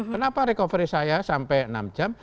kenapa recovery saya sampai enam jam